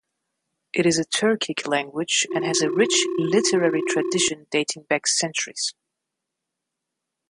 It is a Turkic language and has a rich literary tradition dating back centuries.